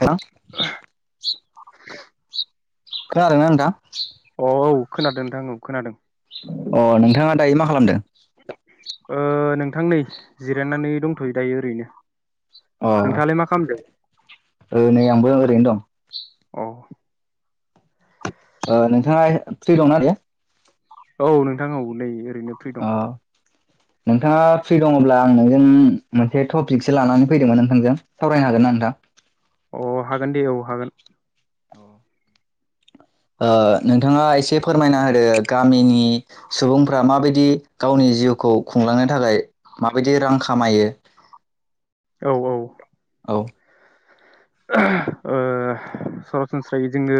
Hello. खोनादोंना नोंथां? अ औ खोनादों नोंथां औ खोनादों अ नोंथाङा दायो मा खालामदों? ओ नों नोंथां नै जिरायनानै दंथ'यो दायो ओरैनो। अ नोंथाङालाय मा खालामदों ओ नै आंबो ओरैनो दं। अ ओ नोंथाङा फ्रि दंना दायो? औ नोंथां औ नै ओरैनो फ्रि दं। अ नोंथाङा फ्रि दङब्ला आं नोंजों मोनसे टपिकसो लानानै फैदोंमोन नोंथांजों सावरायनो हागोन ना नोंथां? अ हागोन दे औ हागोन। ओ नोंथाङा एसे फोरमायना होदो गामिनि सुबुंफ्रा माबायदि गावनि जिउखौ खुंलांनो थाखाय माबायदि रां खामायो। औ औ औ ओ सरासनस्रायै जोङो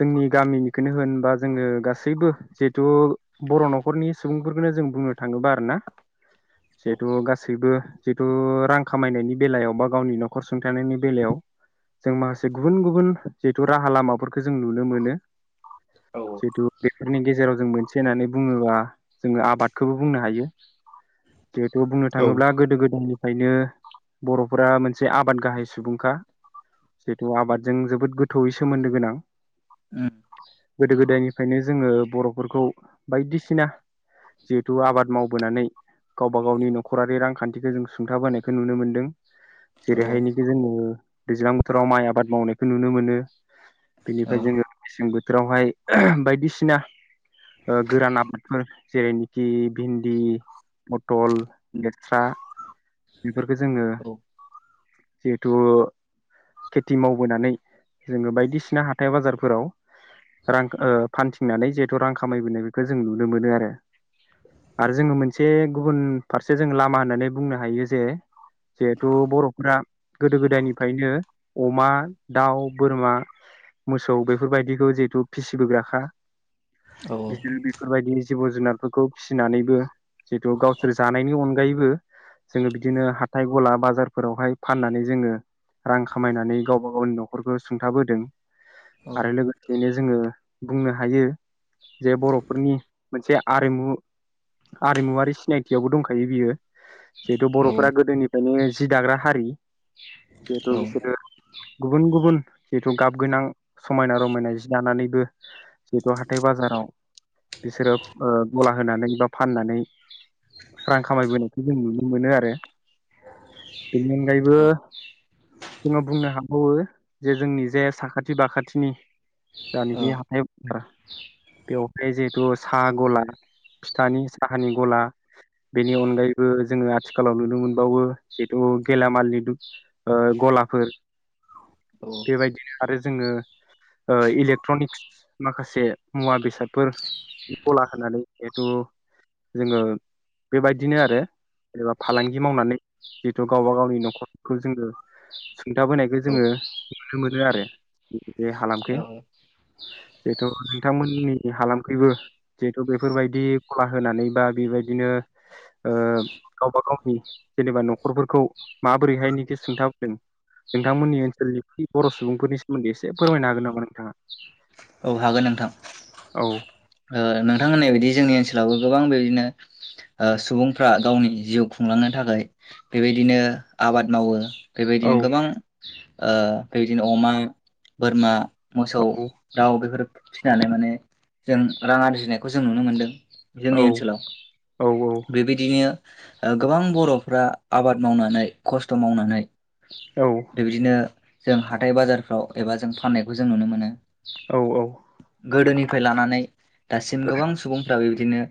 जोंनि गामिनिखौनो होनबा जोङो गासैबो जिहेथु बर' न'खरनि सुबुंफोरखौनो जों बुंनो थाङोबा आरो ना? औ जिहेथु गासैबो जिथु रां खामायनायनि बेलायावबा गावनि न' सुं थानायनि बेलायाव जों माखासे गुबुन गुबुन जिहेथु राहा लामाफोरखौ जों नुनो मोनो। औ जितु बेफोरनि गेजेराव जों मोनसे से होननानै बुङोब्ला जोङो आबादखौबो बुंनो हायो। जिहेतथु बुंनो औ थाङोब्ला गोदो गोदायनि ओंखायनो बर'फोरा मोनसे आबाद गाहाय सुबुंखा जिहेथु आबादजों जोबोद गोथौयै सोमोन्दो गोनां औ गोदो गोदायनिफ्रायनो जोङो। बर'फोरखौ बायदिसिना जिहेथु आबाद मावबोनानै गावबा गावनि नखरारि रांखान्थिखौ जों सुंथाबोनायखौ नुनो मोन्दों। जेरैहायनोखि जोङो दैज्लां बोथोराव माइ आबाद मावनायखौ नुनो मोनो। बेनिफ्राय जोङो मेसें बोथो जेरावहाय बायदिसिना गोरान आबादफोर जेरैनोखि भिन्दि, पटल, लेस्रा बेफोरखो जोङो जिहेथु खेथि मावबोनानै जोङो बायदिसिना हाथाय बाजारफोराव रां ओ फानथिंनानै जिहेथु रां खामायबोनाय बेखौ जों नुनो मोनो आरो आरो जोङो मोनसे गुबुन फारसे जों लामा होननानै बुंनो हायो जे जिहेथु बर'फोरा गोदो गोदायनिफ्रायनो अमा, दाउ, बोरमा, मोसौ बेफोरबायदिखौ जिहेथु फिसिबोग्राखा। [unintelligible] बेफोरबायदि जिब जुनारफोरखौ फिसिनानैबो जिथु गावसोर जानायनि अनगायैबो [unintelligible] जोङो बिदिनो हाथाय गला बाजारफोरावहाय फाननानै जोङो रां खामायनानै गावबा गावनि न'खरखौ सुंथाबोदों आरो लोगोसेनो जोङो बुंनो हायो। जे बर'फोरनि मोनसे आरिमु आरिमुवारि सिनायथियावबो दंखायो बियो। जिहेतु बर'फोरा गोदोनिफ्रायनो जि दाग्रा हारि [unintelligible] बिसोरो गुबुन गुबुन जिहेथु गाब गोनां समायना रमायना जि दानानैबो जिहेथु हाथाय बाजाराव बिसोरो ओ गला होनानै बा फाननानै रां खामायबोनायखौ जों नुनो मोनो आरो बेनि अनगायैबो जोङो बुंनो हाबावो जे जोंनि जे साखाथि बाखाथिनि जानिखि हाथाय बेवहाय जिहेथु साहा गला फिथानि साहानि गला बेनि अनगायैबो जोङो आथिखालाव नुनो मोनबावो जिहेथु गेलामालनि ओ गला फोर बेबायदिनो आरो जोङो ओ इलेक्ट्रनिक्स माखासे मुवा बेसादफोर गला होनानै जिहेथु जोङो बेबायदिनो आरो जेनेबा फालांगि मावनानै जितु गावबा गावनि न'खरखौ जोङो सुंथाबोनायखौ औ औ जोङो नुनो मोनो आरो बे हालामखै औ जिहेथु नोंथांमोननि हालामखैबो जिहेथु बेफोरबायदि गला होनानै बा बेबायदिनो ओ गावबा गावनि जेनेबा न'खरफोरखौ माबोरैहाय निख सोंथाबोदों नोंथांमोननि ओनसोलनि थि बर' सुबुंफोरनि सोमोन्दै एसे फोरमायनो हागोन नामा नोंथाङा औ हागोन नोंथां औ ओ नोंथां होननाय बायदि जोंनि ओन सोलावबो गोबां बेदिनो ओ सुबुंफ्रा गावनि जिउ खुंलांनो थाखाय बेबायदिनो आबाद मावो बेबायदिनो औ गोबां ओ बेबादिनो अमा बोरमा मोसौ औ दाउ बेफोर फिसिनानै माने जों रां आरिजिनायखौ जों नुनो मोन्दों औ जोंनि ओनसोलाव औ बेबायदिनो ओ गोबां बर'फ्रा आबाद मावनानै खस्थ' मावनानै औ बेबायदिनो जों हाथाय बाजारफ्राव एबा जों फाननायखौ जों नुनो मोनो औ औ गोदोनिफ्राय लानानै दासिम गोबां सुबुं फोराबो बिदिनो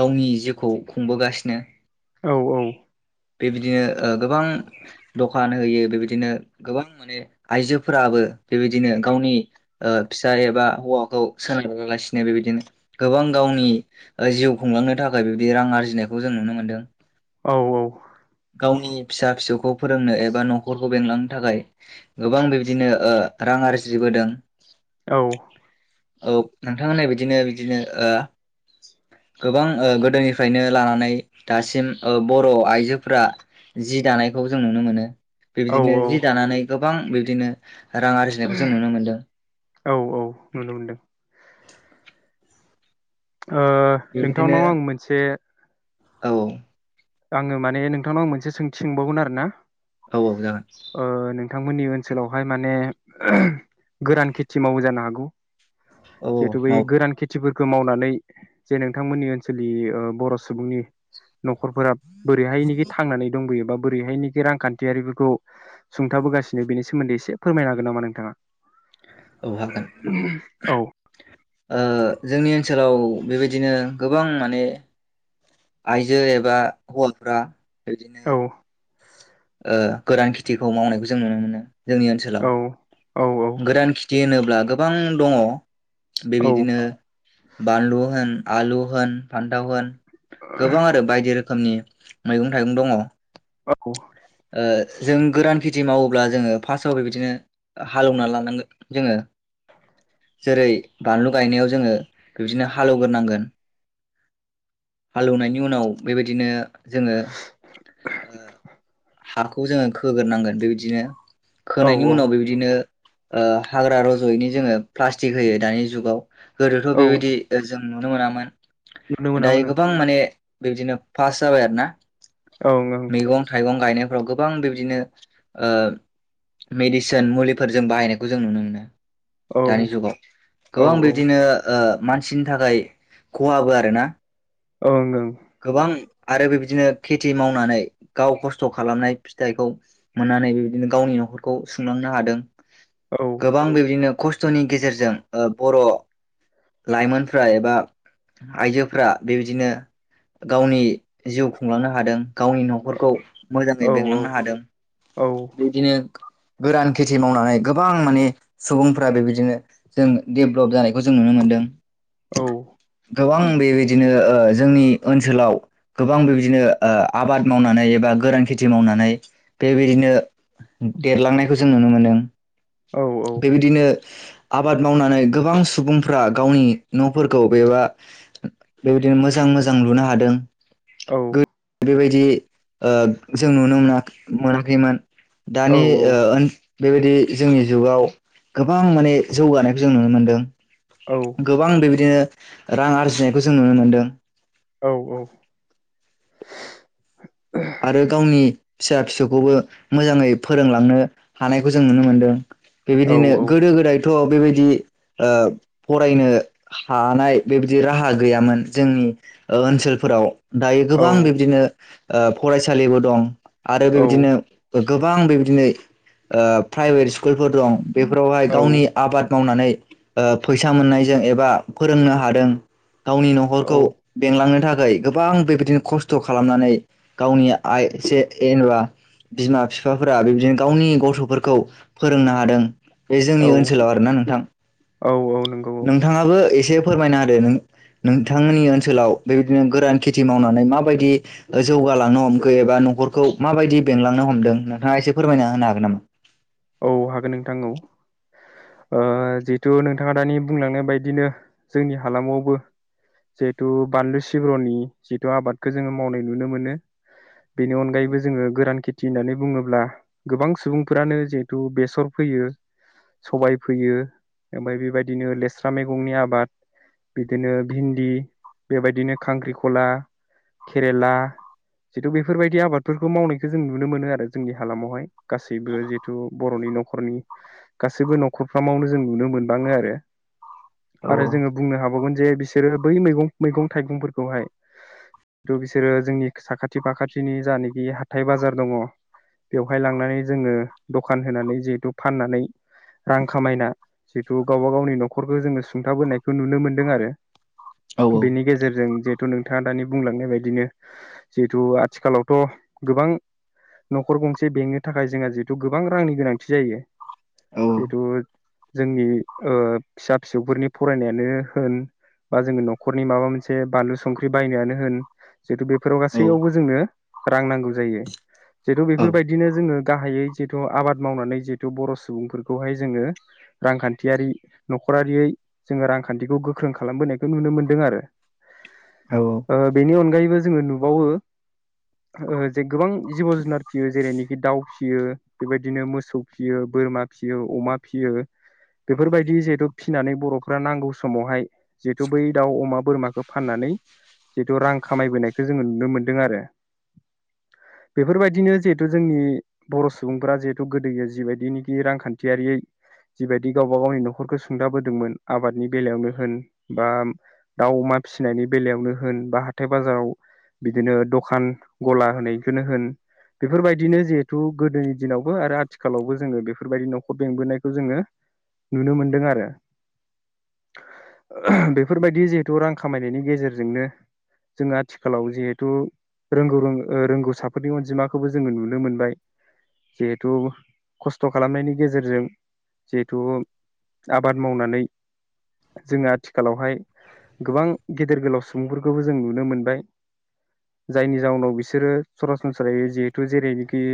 गावनि जिउखौ खुंबोगासिनो औ औ बेबादिनो ओ गोबां दखान होयो बेबादिनो गोबां माने आइजोफोराबो बेबादिनो गावनि ओ फिसाइ एबा हौवाखौ सोनारालासिनो बेबायदिनो गोबां गावनि ओ जिउ खुंलांनो थाखाय बिबादि रां आरजिनायखौ जों नुनो मोनदों औ औ गावनि फिसा फिसौखौ फोरोंनो एबा न'खरखौ बेंलांनो थाखाय गोबां बिबादिनो ओ रां आरजिबोदों औ ओ नोंथां होन्नाय बायदिनो बिदिनो ओ गोबां ओ गोदोनिफ्रायनो लानानै दासिम ओ बर' आइजोफोरा जि दानायखौ जों नुनो मोनो बेबादिनो जि औ दानानै गो गोबां बिबदिनो रां आरजिनायखौ जों नुनो मोनदों औ औ नुनो मोनदों [inaudible] ओ बेबायदिनो नोंथांनाव आं मोनसे औ आङो माने नोंथांनाव मोनसे सोंथि सोंबावगोन आरो ना औ औ जागोन थांमोननि ओनसोलावहाय माने गोरान खेथि मावो जानो हागौ औ औ जिहेतु बै माव गोरान खेथिफोर खो मावनानै जे नोंथांमोननि ओनसोलनि ओ बर' सुबुंनि न'खरफोरा बोरैहायनिखि थांनानै दंबोैयोबा बोरैहायनिखि रांखान्थियारिफोरखौ सुंथाबोगासिनो बेनि सोमोन्दै एसे फोरमायनो हागोन नामा नोंथाङा औ हागोन [unintelligible] औ ओ जोंनि ओनसोलाव बेबायदिनो गोबां माने आयजो एबा हौवाफ्रा औ इदिनो ओ गोरान खिथिखौ मावनायखौ जों नुनो मोनो जोंनि ओनसोलाव औ औ गोरान खिथि होनो ब्ला गोबां दङ औ बेबिदिनो बानलु होन आलु होन फान्थाव होन गोबां आरो बायदि रो खोमनि मैगं थाइगं दङ औ ओ जों गोरान खेथि मावोब्ला जोङो फार्स्टआव बेबायदिनो हालेवना लानांगोन जोङो जेरै बानलु गायनायाव जोङो बिदिनो हालेवग्रोनांगोन हालौवनायनि उनाव बेबायदिनो जोङो ओ हाखौ जोङो खोगोरनांगोन बेबायदिनो औ खोनायनि उनाव औ बेबायदिनो ओ हाग्रा रज'यैनि जोङो प्लास्टिक होयो दानि जुगाव गोदोथ' औ बेबायदि जों नुनो मोनामोन नुनो दायो मोनामोन गोबां माने बिबायदिनो फास् जाबाय आरो ना औ ओं फां गायनायफ्राव गोबां बिबदिनो ओ मेडिसिन मुलिफोर जों बाहायनायखौ जों नुनो मोनो। ओं दानि जुगाव गोबां ओं औ बिदिनो ओ मानसिनि थाखाय खहाबो आरो ना ओं ओं गोबां आरो बेबायदिनो खेथि मावनानै गाव खस्थ' खालामनाय फिथाइखौ मोननानै बेबायदिनो गावनि न'खरखौ खुंलांनो हादों औ गोबां बेबायदिनो खस्थ'नि गेजेरजों ओ बर' लाइमोनफ्रा एबा आइजोफ्रा बेबायदिनो गावनि जिउ खुंलांनो हादों गावनि न'खरखौ मोजाङै बेंलांनो हादों औ बिदिनो गोरान खेथि मावनानै गोबां माने सुबुंफ्रा बेबायदिनो जों डेभ्लप जानायखौ जों नुनो मोन्दों औ [unintelligible] गोबां बेबायदिनो जोंनि ओनसोलाव गोबां बेबायदिनो ओ आबाद मावनानै एबा गोरान खेथि मावनानै बेबायदिनो देरलांनायखौ जों नुनो मोनदों औ बेबायदिनो आबाद मावनानै गोबां सुबुंफ्रा गावनि न'फोरखौ बेबा बेबायदिनो मोजां मोजां जों लुनो हादों औ गो बेबायदि जि ओ जों नुनो मोना- मोनाखैमोन दानि ओ ओन बेबायदि जोंनि जुगाव गोबां माने जौगानायखौ जों नुनो मोनदों औ गोबां बेबायदिनो रां आरजिनायखौ जों नुनो मोनदों औ औ आरो गावनि फिसा फिसौखौबो मोजाङै फोरोंलांनो हानायखौ जों नुनो मोन्दों बेबायदिनो गोदो गोदाय थ' बेबायदि ओ फरायनो हानाय बेबायदि राहा गैयामोन जोंनि ओ ओनसोलफोराव दायो गोबां बिब्दिनो ओ फरायसालिबो दं आरो औ बेबायदिनो गोबां बेबादिनो ओ प्राइभेट स्कुलफोर दं बेफोरावहाय गावनि आबाद मावनानै ओ फैसा मोननायजों एबा फोरोंनो हादों गावनि न'खरखौ बेंलांनो थाखा थाखाय गोबां बेबायदिनो खस्थ' खालामनानै गावनि आइ एसे जेनेबा बिमा बिफाफोरा बेबायदिनो गावनि गथ'फोरखौ फोरोंनो हादों बे जोंनि ओनसोलाव आरोना नोंथां औ औ नोंथाङाबो एसे फोरमायना होदो नों नोंथांनि ओनसोलाव बेबायदिनो गोरान खेथि मावनानै माबायदि जौगालांनो हमखो एबा न'खरखौ माबायदि बेंलांनो हमदों नोंथाङा एसे फोरमायना होनो हागोन नामा औ हागोन नोंथां औ ओ जिहेतु नोंथाङा दानि बुंलांनाय बदिनो जोंनि हालामावबो जिहेतु बानलु सिब्र'नि जितु आबादखौ जोङो मावनाय नुनो मोनो बेनि अनगायैबो जोङो गोरान खेथि होननानै बुङोब्ला गोबां सुबुंफोरानो जे थु बेसर फोयो सबाय फोयो ओमफ्राय बेबायदिनो लेस्रा मैगंनि आबाद बिदिनो भिन्दि बेबायदिनो खांख्रिखला केरेला जिथु बेफोरबायदि आबादफोरखौ मावनायखौ जों नुनो मोनो आरो जोंनि हालामावहाय गासैबो जिथु न'नि नखरनि गासैबो न'खरफ्रामावनो जों नुनो मोनबाङो आरो औ आरो जोङो बुंनो हाबावगोन जे बिसोरो बै मैगं मैगं थाइगंफोरखौहाय थ बिसोरो जोंनि साखाथि फाखाथिनि जानाखि हाथाय बाजार दङ बेवहाय लांनानै जोङो दखान होनानै जिहेतु फाननानै रां खामायना बेखौ गावबा गावनि न'खरखौ जोङो सुंथाबोनायखौ नुनो मोनदों आरो औ बेनि गेजेरजों जे नोंथाङा दानि बुंलांनाय बायदिनो जिहेथु आथिखालावथ' गोबां न'खर गंसे बेंनो थाखाय जोंहा जि थु गोबां रांनि गोनांथि जायो औ जिथ' जोंनि ओ फिसा फिसौफोरनि फरायनायानो होन बा जोङो न'खरनि माबा मोनसे बानलु संख्रि बायनायानो होन जिहेतु बेफोराव औ गासैयावबो जोंनो रां नांगौ जायो जेथु औ बेफोरबायदिनो जोङो गाहायै जिहेथु आबाद मावनानै जिहेथु बर' सुबुंफोरखौहाय जोङो रांखान्थियारि न'खरारियै जोङो रांखान्थिखौ गोख्रों खालामबोनायखौ नुनो मोनदों आरो औ ओ बेनि अनगायै बो जोङो नुबावो ओ जे गोबां जिब जुनार फिसियो जेरैनोखि दाउ फिसियो बेबायदिनो मोसौ फियो बोरमा फिसियो अमा फिसियो बेफोरबायदि जिहेथु फिसिनानै बर'फोरा नांगौ समावहाय जिहेथु बै दाउ अमा बोरमाखौ फाननानै जिहेथु रां खामायबोनायखौ जोङो नुनो मोनदों आरो बेफोरबायदिनो जिहेतु जोंनि बर' सुबुंफोरा जिहेथु गोदो जिबायदिनोखि रांखान्थियारिै जिबायदि गावबा गावनि नखरखौ सुंथाबोदोंमोन आबादनि बेलायावनो होन बा दाउ अमा फिसिनायनि बेलायावनो होन बा हाथाय बाजाराव बिदिनो दखान गला होनायखौनो होन बेफोरबायदिनो जिहेथु गोदोनि दिनावबो आरो आथिखालावबो जोङो बेफोरबायदि न'खर बेंबोनायखौ जोङो नुनो मोनदों आरो बेफोरबायदि जिहेथु रां खामायनायनि गेजेरजोंनो जोङो आथिखालाव जिहेथु रोंगौ ओ रोंगौसाफोरनि अनजिमाखौबो जोङो नुनो मोनबाय जिहेथु खस्थ' खालामनायनि गेजेरजों जिहेथु आबाद मावनानै जोङो आथिखालावहाय गोबां गेदेर गोलाव सुबुंफोरखौबो जों नुनो मोनबाय जायनि जाउनाव बिसोरो सरासनस्रायै जिहेथु जेरैनोखि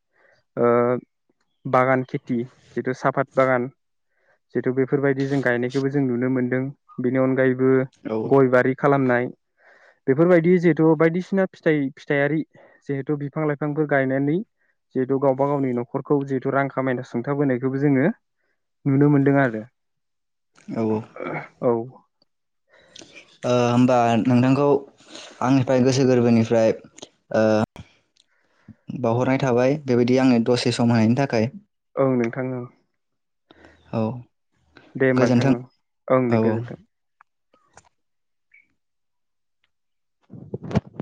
ओ बागान खेथि जिथु साफात बागान जिथु बेफोरबायदि जों गायनायखौबो जों नुनो मोनदों बेनि अनगायै बो औ गय बारि खालामनाय बेफोरबायदि जिहेथु बायदिसिना फिथाइ फिथाइयारि जिहेथु बिफां लाइफांफोर गायनानै जिहेथु गावबा गावनि न'खरखौ जिहेथु रां खामायना सुंथाबोनायखौबो जोङो नुनो मोनदों आरो औ औ ओ होनबा नोंथांखौ आंनिफ्राय गोसो गोरबोनिफ्राय ओ बावहरनाय थाबाय बेबायदि आंनो दसे सम होनायनि थाखाय औ नोंथां औ औ दे होमबा गोजोन्थों नोंथां ओं औ दे गोजोन्थों [inaudible]